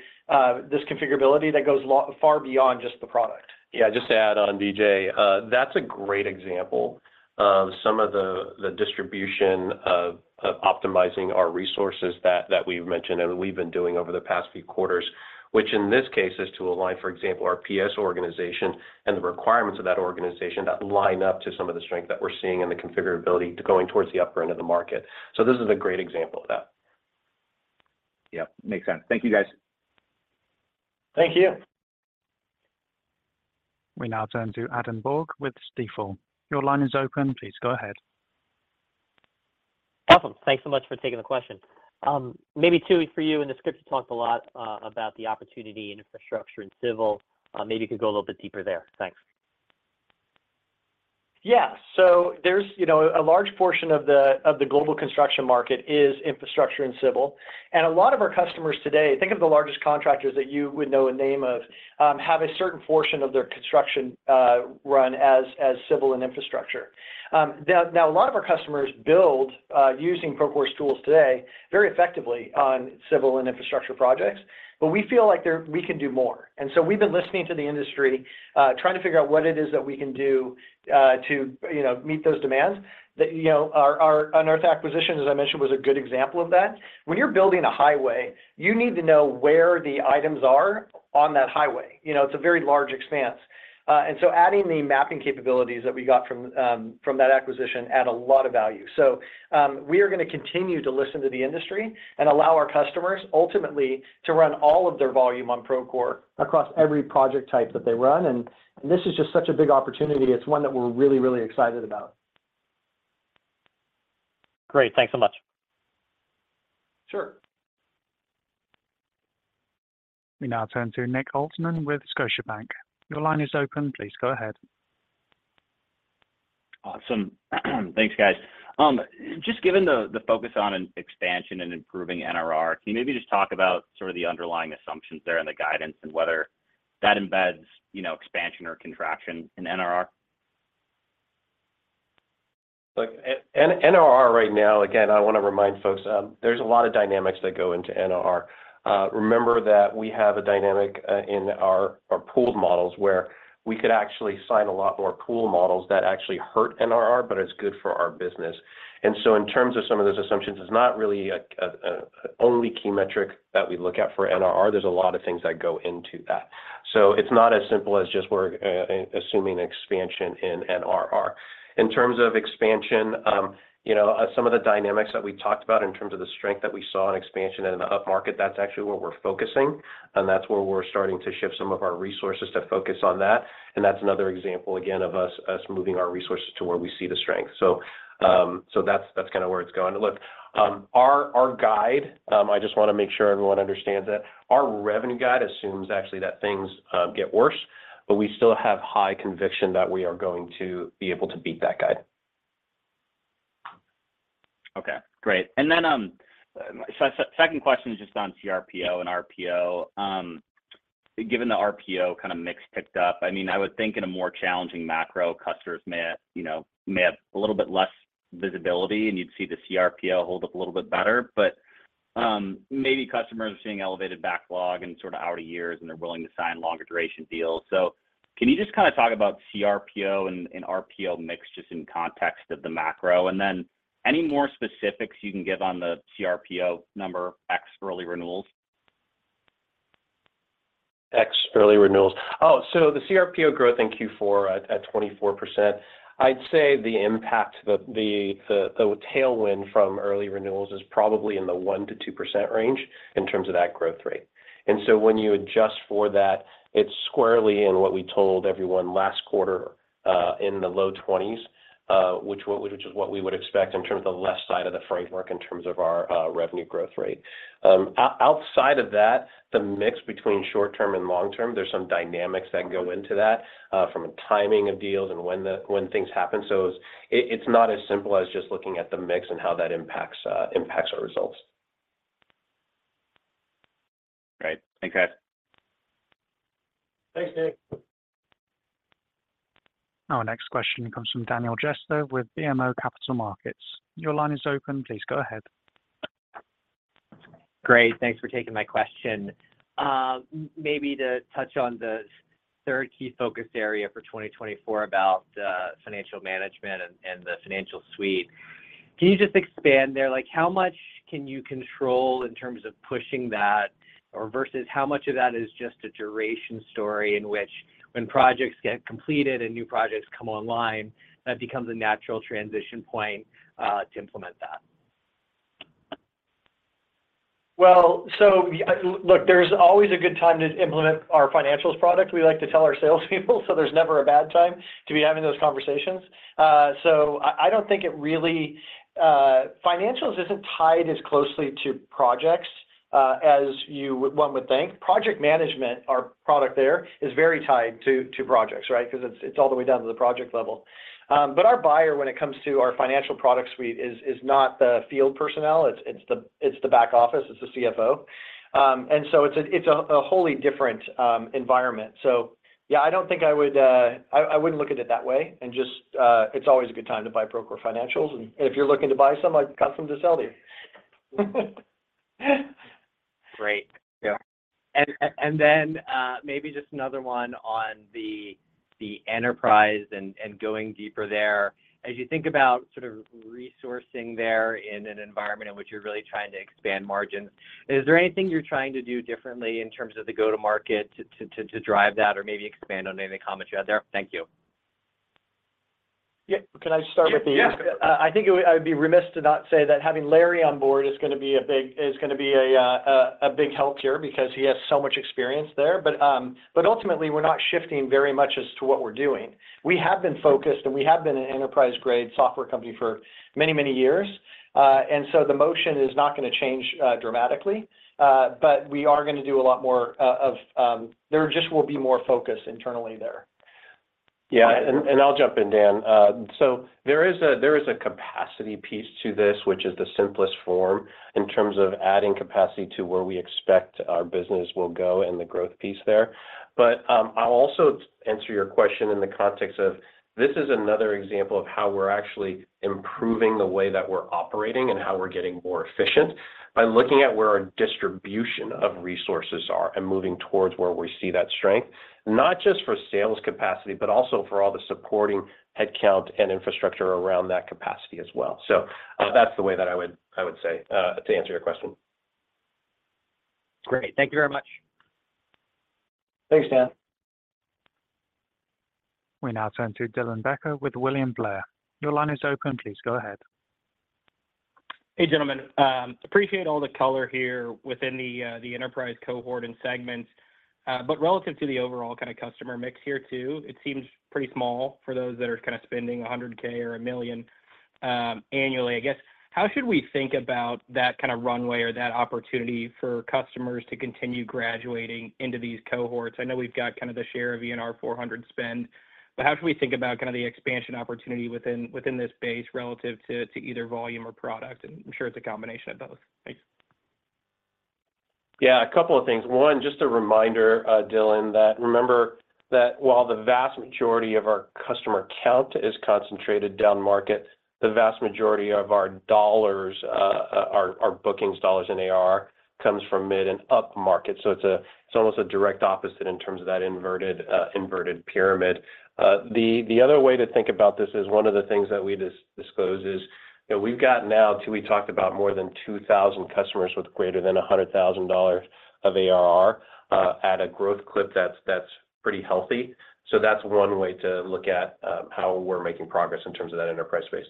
Speaker 3: this configurability that goes far beyond just the product.
Speaker 4: Yeah, just to add on, DJ, that's a great example of some of the distribution of optimizing our resources that we've mentioned and we've been doing over the past few quarters, which in this case is to align, for example, our PS organization and the requirements of that organization that line up to some of the strength that we're seeing in the configurability to going towards the upper end of the market. So this is a great example of that.
Speaker 8: Yep, makes sense. Thank you, guys.
Speaker 3: Thank you.
Speaker 1: We now turn to Adam Borg with Stifel. Your line is open. Please go ahead.
Speaker 9: Awesome. Thanks so much for taking the question. Maybe, Tooey, for you, in the script, you talked a lot about the opportunity in infrastructure and civil. Maybe you could go a little bit deeper there. Thanks.
Speaker 3: Yeah. So there's, you know, a large portion of the global construction market is infrastructure and civil, and a lot of our customers today, think of the largest contractors that you would know a name of, have a certain portion of their construction run as civil and infrastructure. Now, a lot of our customers build using Procore's tools today very effectively on civil and infrastructure projects, but we feel like they're- we can do more. And so we've been listening to the industry, trying to figure out what it is that we can do, to, you know, meet those demands. That, you know, our Unearth acquisition, as I mentioned, was a good example of that. When you're building a highway, you need to know where the items are on that highway. You know, it's a very large expanse. And so adding the mapping capabilities that we got from that acquisition add a lot of value. So, we are gonna continue to listen to the industry and allow our customers ultimately to run all of their volume on Procore across every project type that they run, and this is just such a big opportunity. It's one that we're really, really excited about.
Speaker 9: Great. Thanks so much.
Speaker 3: Sure.
Speaker 1: We now turn to Nick Altmann with Scotiabank. Your line is open, please go ahead.
Speaker 10: Awesome. Thanks, guys. Just given the focus on expansion and improving NRR, can you maybe just talk about sort of the underlying assumptions there and the guidance and whether that embeds, you know, expansion or contraction in NRR?
Speaker 4: Look, NRR right now, again, I wanna remind folks, there's a lot of dynamics that go into NRR. Remember that we have a dynamic in our pooled models, where we could actually sign a lot more pool models that actually hurt NRR, but it's good for our business. And so in terms of some of those assumptions, it's not really a only key metric that we look at for NRR, there's a lot of things that go into that. So it's not as simple as just we're assuming expansion in NRR. In terms of expansion, you know, some of the dynamics that we talked about in terms of the strength that we saw in expansion in the upmarket, that's actually where we're focusing, and that's where we're starting to shift some of our resources to focus on that. That's another example, again, of us moving our resources to where we see the strength. So that's kinda where it's going. Look, our guide, I just wanna make sure everyone understands that our revenue guide assumes actually that things get worse, but we still have high conviction that we are going to be able to beat that guide. ...
Speaker 10: Great, and then, so second question is just on CRPO and RPO. Given the RPO kind of mix picked up, I mean, I would think in a more challenging macro, customers may, you know, may have a little bit less visibility, and you'd see the CRPO hold up a little bit better. But, maybe customers are seeing elevated backlog and sort of out of years, and they're willing to sign longer duration deals. So can you just kind of talk about CRPO and, and RPO mix just in context of the macro? And then any more specifics you can give on the CRPO number X early renewals?
Speaker 4: X early renewals. Oh, so the CRPO growth in Q4 at 24%, I'd say the impact, the tailwind from early renewals is probably in the 1%-2% range in terms of that growth rate. And so when you adjust for that, it's squarely in what we told everyone last quarter, in the low 20s, which is what we would expect in terms of the left side of the framework, in terms of our revenue growth rate. Outside of that, the mix between short term and long term, there's some dynamics that go into that, from a timing of deals and when things happen. So it's not as simple as just looking at the mix and how that impacts our results.
Speaker 11: Great. Thanks, guys.
Speaker 3: Thanks, Nick.
Speaker 1: Our next question comes from Daniel Jester with BMO Capital Markets. Your line is open. Please go ahead.
Speaker 12: Great. Thanks for taking my question. Maybe to touch on the third key focus area for 2024 about the financial management and the financial suite. Can you just expand there? Like, how much can you control in terms of pushing that, or versus how much of that is just a duration story, in which when projects get completed and new projects come online, that becomes a natural transition point to implement that?
Speaker 3: Well, so look, there's always a good time to implement our financials product. We like to tell our sales people, so there's never a bad time to be having those conversations. So I don't think it really. Financials isn't tied as closely to projects as one would think. Project management, our product there, is very tied to projects, right? Because it's all the way down to the project level. But our buyer, when it comes to our financial product suite, is not the field personnel. It's the back office, it's the CFO. And so it's a wholly different environment. So yeah, I don't think I would. I wouldn't look at it that way. Just, it's always a good time to buy Procore Financials, and if you're looking to buy some, I've got some to sell to you.
Speaker 12: Great.
Speaker 3: Yeah.
Speaker 12: And then, maybe just another one on the enterprise and going deeper there. As you think about sort of resourcing there in an environment in which you're really trying to expand margins, is there anything you're trying to do differently in terms of the go-to-market to drive that or maybe expand on any of the comments you had there? Thank you.
Speaker 3: Yeah. Can I start with the-
Speaker 4: Yeah.
Speaker 3: I think I would be remiss to not say that having Larry on board is gonna be a big help here because he has so much experience there. But ultimately, we're not shifting very much as to what we're doing. We have been focused, and we have been an enterprise-grade software company for many, many years. And so the motion is not gonna change dramatically, but we are gonna do a lot more of... There just will be more focus internally there.
Speaker 4: Yeah, and I'll jump in, Dan. So there is a capacity piece to this, which is the simplest form in terms of adding capacity to where we expect our business will go and the growth piece there. But I'll also answer your question in the context of this is another example of how we're actually improving the way that we're operating and how we're getting more efficient, by looking at where our distribution of resources are and moving towards where we see that strength. Not just for sales capacity, but also for all the supporting headcount and infrastructure around that capacity as well. So that's the way that I would say to answer your question.
Speaker 12: Great. Thank you very much.
Speaker 3: Thanks, Dan.
Speaker 1: We now turn to Dylan Becker with William Blair. Your line is open. Please go ahead.
Speaker 13: Hey, gentlemen. Appreciate all the color here within the enterprise cohort and segments, but relative to the overall kind of customer mix here too, it seems pretty small for those that are kind of spending $100K or $1 million annually. I guess, how should we think about that kind of runway or that opportunity for customers to continue graduating into these cohorts? I know we've got kind of the share of ENR 400 spend, but how should we think about kind of the expansion opportunity within this base relative to either volume or product? And I'm sure it's a combination of both. Thanks.
Speaker 4: Yeah, a couple of things. One, just a reminder, Dylan, that remember that while the vast majority of our customer count is concentrated downmarket, the vast majority of our dollars, our bookings dollars in ARR, comes from mid and upmarket. So it's almost a direct opposite in terms of that inverted pyramid. The other way to think about this is one of the things that we disclose is, you know, we've got now till we talked about more than 2,000 customers with greater than $100,000 of ARR, at a growth clip that's pretty healthy. So that's one way to look at how we're making progress in terms of that enterprise space.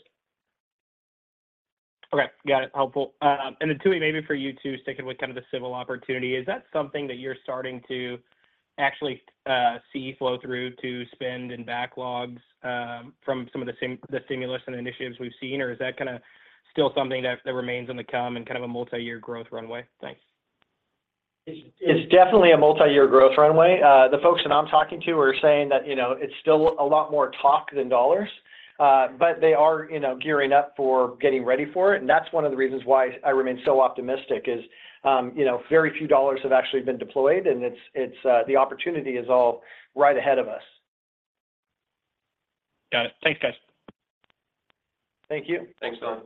Speaker 13: Okay. Got it. Helpful. And then, Tooey, maybe for you too, sticking with kind of the civil opportunity, is that something that you're starting to actually see flow through to spend and backlogs from some of the stimulus and initiatives we've seen? Or is that kind of still something that remains on the come and kind of a multi-year growth runway? Thanks....
Speaker 3: It's definitely a multi-year growth runway. The folks that I'm talking to are saying that, you know, it's still a lot more talk than dollars, but they are, you know, gearing up for getting ready for it, and that's one of the reasons why I remain so optimistic is, you know, very few dollars have actually been deployed, and it's the opportunity is all right ahead of us.
Speaker 13: Got it. Thanks, guys.
Speaker 3: Thank you.
Speaker 4: Thanks, Dylan.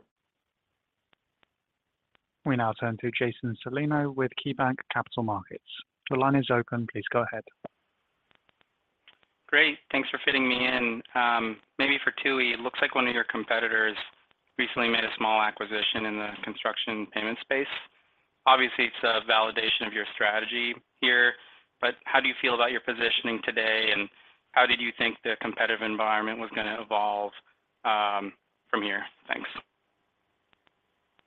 Speaker 1: We now turn to Jason Celino with KeyBanc Capital Markets. Your line is open. Please go ahead.
Speaker 14: Great, thanks for fitting me in. Maybe for Tooey, it looks like one of your competitors recently made a small acquisition in the construction payment space. Obviously, it's a validation of your strategy here, but how do you feel about your positioning today, and how did you think the competitive environment was gonna evolve, from here? Thanks.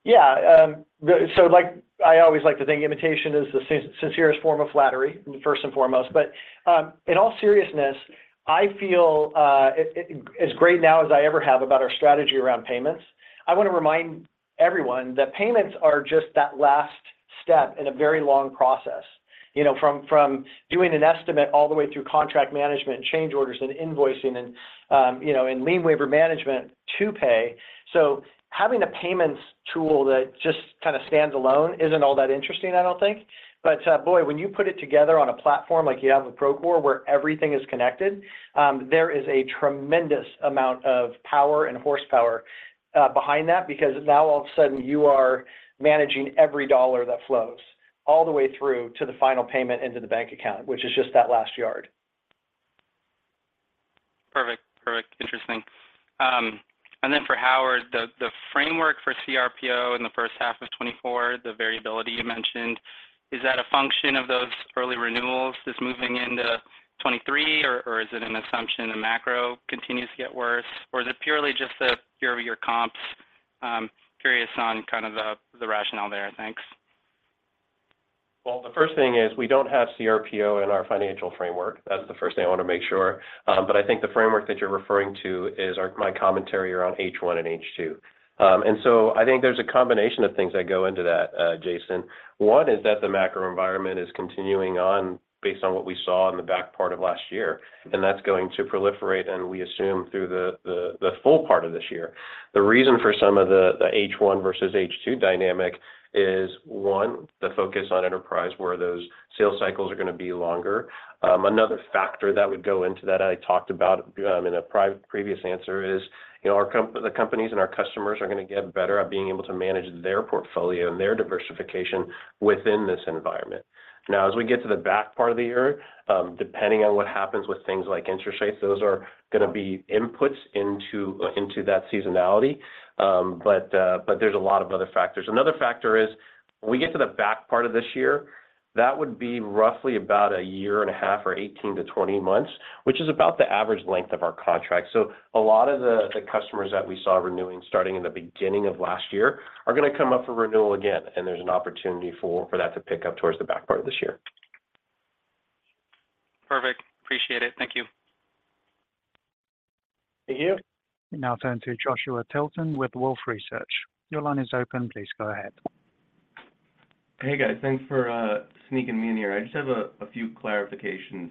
Speaker 3: Yeah, I always like to think imitation is the sincerest form of flattery, first and foremost. But, in all seriousness, I feel as great now as I ever have about our strategy around payments. I wanna remind everyone that payments are just that last step in a very long process. You know, from doing an estimate all the way through contract management, change orders, and invoicing, and, you know, in lien waiver management to pay. So having a payments tool that just kind of stands alone isn't all that interesting, I don't think. But, boy, when you put it together on a platform like you have with Procore, where everything is connected, there is a tremendous amount of power and horsepower behind that because now all of a sudden, you are managing every dollar that flows all the way through to the final payment into the bank account, which is just that last yard.
Speaker 14: Perfect. Perfect. Interesting. And then for Howard, the, the framework for CRPO in the first half of 2024, the variability you mentioned, is that a function of those early renewals is moving into 2023, or, or is it an assumption the macro continues to get worse, or is it purely just the year-over-year comps? I'm curious on kind of the, the rationale there. Thanks.
Speaker 4: Well, the first thing is we don't have CRPO in our financial framework. That's the first thing I wanna make sure. But I think the framework that you're referring to is our... my commentary around H1 and H2. And so I think there's a combination of things that go into that, Jason. One is that the macro environment is continuing on based on what we saw in the back part of last year, and that's going to proliferate, and we assume through the full part of this year. The reason for some of the H1 versus H2 dynamic is, one, the focus on enterprise, where those sales cycles are gonna be longer. Another factor that would go into that I talked about in a previous answer is, you know, our companies and our customers are gonna get better at being able to manage their portfolio and their diversification within this environment. Now, as we get to the back part of the year, depending on what happens with things like interest rates, those are gonna be inputs into that seasonality. But there's a lot of other factors. Another factor is, when we get to the back part of this year, that would be roughly about a year and a half or 18-20 months, which is about the average length of our contract. So a lot of the customers that we saw renewing starting in the beginning of last year are gonna come up for renewal again, and there's an opportunity for that to pick up towards the back part of this year.
Speaker 14: Perfect. Appreciate it. Thank you.
Speaker 3: Thank you.
Speaker 1: We now turn to Joshua Tilton with Wolfe Research. Your line is open. Please go ahead.
Speaker 15: Hey, guys. Thanks for sneaking me in here. I just have a few clarifications.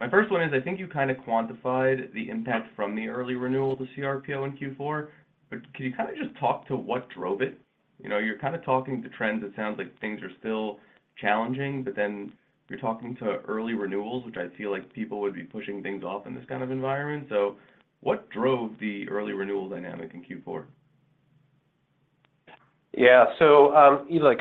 Speaker 15: My first one is, I think you kind of quantified the impact from the early renewal to CRPO in Q4, but can you kind of just talk to what drove it? You know, you're kind of talking to trends, it sounds like things are still challenging, but then you're talking to early renewals, which I feel like people would be pushing things off in this kind of environment. So what drove the early renewal dynamic in Q4?
Speaker 4: Yeah. So, like,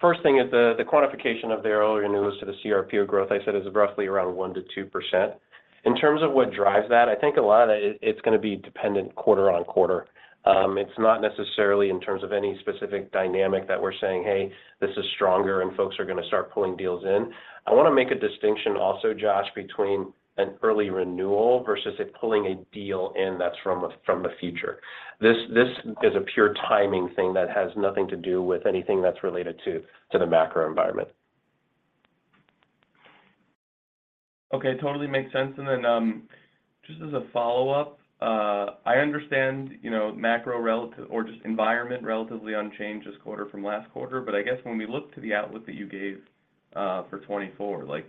Speaker 4: first thing is the, the quantification of the early renewals to the CRPO growth, I said, is roughly around 1%-2%. In terms of what drives that, I think a lot of it, it's gonna be dependent quarter-over-quarter. It's not necessarily in terms of any specific dynamic that we're saying, "Hey, this is stronger, and folks are gonna start pulling deals in." I wanna make a distinction also, Josh, between an early renewal versus a pulling a deal in that's from a, from the future. This, this is a pure timing thing that has nothing to do with anything that's related to, to the macro environment.
Speaker 15: Okay, totally makes sense. And then, just as a follow-up, I understand, you know, macro relative or just environment relatively unchanged this quarter from last quarter, but I guess when we look to the outlook that you gave, for 2024, like,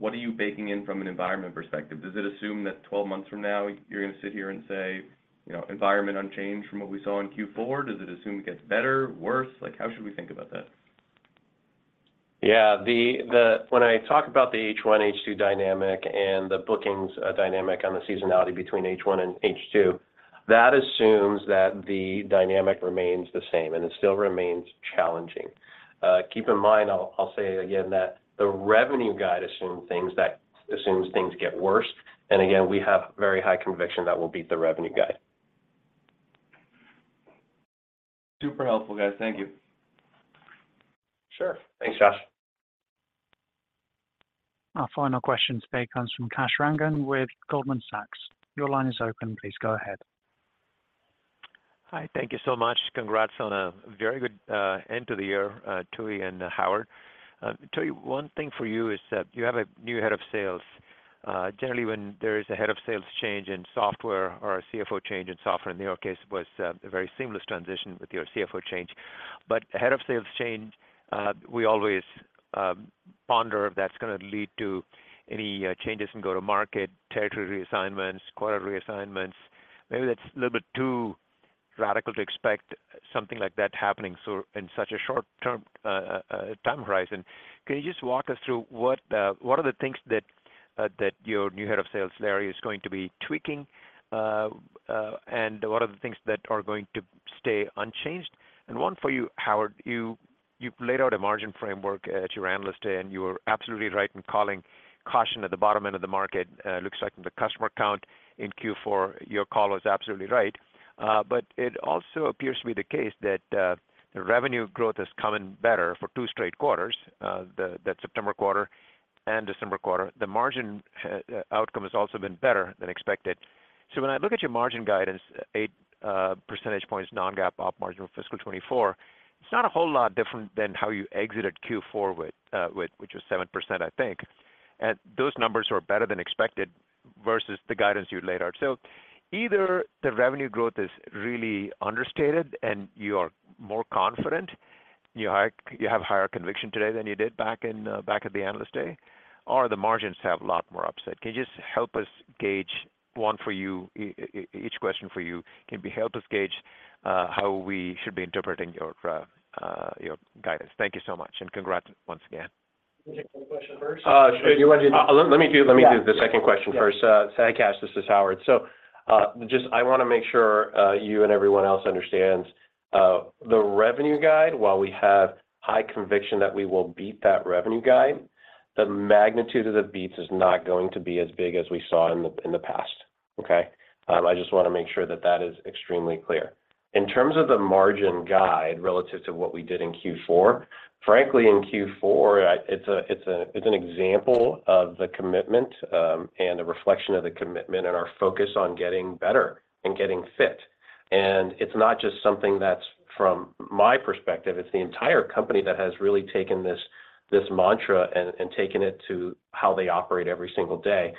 Speaker 15: what are you baking in from an environment perspective? Does it assume that 12 months from now, you're gonna sit here and say, you know, "Environment unchanged from what we saw in Q4?" Does it assume it gets better, worse? Like, how should we think about that?
Speaker 4: Yeah. The when I talk about the H1, H2 dynamic and the bookings dynamic on the seasonality between H1 and H2, that assumes that the dynamic remains the same, and it still remains challenging. Keep in mind, I'll say again, that the revenue guide assumes things get worse. And again, we have very high conviction that we'll beat the revenue guide.
Speaker 15: Super helpful, guys. Thank you.
Speaker 4: Sure.
Speaker 3: Thanks, Josh.
Speaker 1: Our final question today comes from Kash Rangan with Goldman Sachs. Your line is open. Please go ahead.
Speaker 16: Hi, thank you so much. Congrats on a very good end to the year, Tooey and Howard. Tooey, one thing for you is that you have a new head of sales. Generally, when there is a head of sales change in software or a CFO change in software, in your case, it was a very seamless transition with your CFO change. But head of sales change, we always ponder if that's gonna lead to any changes in go-to-market, territory reassignments, quarter reassignments. Maybe that's a little bit too radical to expect something like that happening, so in such a short-term time horizon. Can you just walk us through what are the things that your new head of sales, Larry, is going to be tweaking? And what are the things that are going to stay unchanged? And one for you, Howard, you've laid out a margin framework at your Analyst Day, and you were absolutely right in calling caution at the bottom end of the market. It looks like the customer count in Q4, your call was absolutely right. But it also appears to be the case that the revenue growth has come in better for 2 straight quarters, the September quarter and December quarter. The margin outcome has also been better than expected. So when I look at your margin guidance, 8 percentage points, non-GAAP op margin for fiscal 2024, it's not a whole lot different than how you exited Q4 with, which was 7%, I think. And those numbers are better than expected versus the guidance you laid out. So either the revenue growth is really understated, and you are more confident, you have higher conviction today than you did back in, back at the Analyst Day, or the margins have a lot more upside. Can you just help us gauge, one for you, each question for you, how we should be interpreting your guidance? Thank you so much, and congrats once again.
Speaker 3: Take one question first.
Speaker 4: Let me do the second question first. Kash, this is Howard. So, just I wanna make sure, you and everyone else understands, the revenue guide, while we have high conviction that we will beat that revenue guide, the magnitude of the beats is not going to be as big as we saw in the past, okay? I just wanna make sure that that is extremely clear. In terms of the margin guide, relative to what we did in Q4, frankly, in Q4, it's an example of the commitment, and a reflection of the commitment and our focus on getting better and getting fit. It's not just something that's from my perspective, it's the entire company that has really taken this, this mantra and, and taken it to how they operate every single day.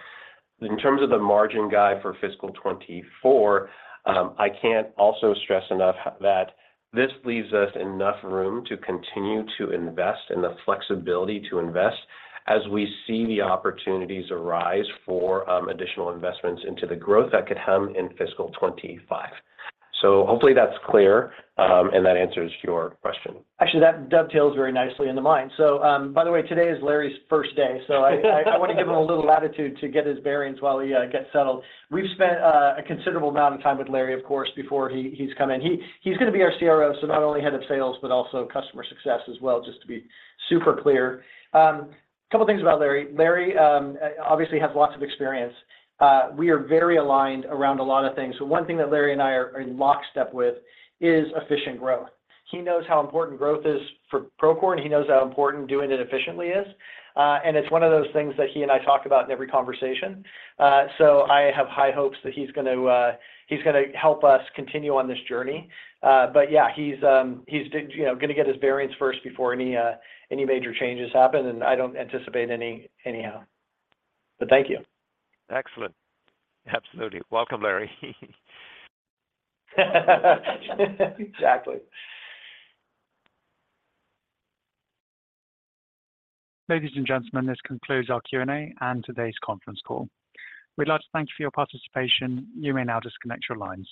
Speaker 4: In terms of the margin guide for fiscal 2024, I can't also stress enough that this leaves us enough room to continue to invest and the flexibility to invest as we see the opportunities arise for additional investments into the growth that could come in fiscal 2025. Hopefully that's clear, and that answers your question.
Speaker 3: Actually, that dovetails very nicely in the mind. So, by the way, today is Larry's first day. I wanna give him a little latitude to get his bearings while he gets settled. We've spent a considerable amount of time with Larry, of course, before he's come in. He's gonna be our CRO, so not only head of sales, but also customer success as well, just to be super clear. A couple of things about Larry. Larry obviously has lots of experience. We are very aligned around a lot of things. So one thing that Larry and I are in lockstep with is efficient growth. He knows how important growth is for Procore, and he knows how important doing it efficiently is. And it's one of those things that he and I talk about in every conversation. So I have high hopes that he's gonna help us continue on this journey. But yeah, he's, you know, gonna get his bearings first before any major changes happen, and I don't anticipate any anyhow. But thank you.
Speaker 16: Excellent. Absolutely. Welcome, Larry.
Speaker 3: Exactly.
Speaker 1: Ladies and gentlemen, this concludes our Q&A and today's conference call. We'd like to thank you for your participation. You may now disconnect your lines.